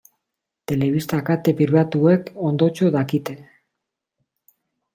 Telebista kate pribatuek ondotxo dakite.